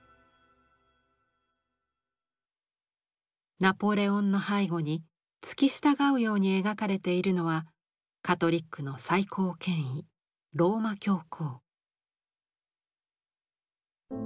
ナポレオンの背後に付き従うように描かれているのはカトリックの最高権威ローマ教皇。